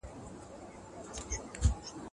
د سياست موخه د ټولنې خدمت دی.